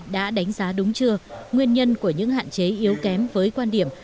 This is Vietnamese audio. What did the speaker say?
đã đánh giá đúng chưa nguyên nhân của những hạn chế yếu kém với quan điểm